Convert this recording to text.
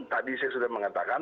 tadi saya sudah mengatakan